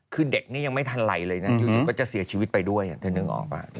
คือเด็กนี่ยังไม่ทันไรเลยนะอยู่ก็จะเสียชีวิตไปด้วยเธอนึกออกป่ะ